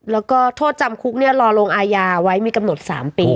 แล้วก็โทษจำคุกเนี่ยรอลงอายาไว้มีกำหนด๓ปี